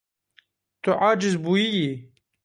Tu aciz bûyiyî.